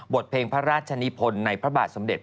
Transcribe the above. เพลงพระราชนิพลในพระบาทสมเด็จ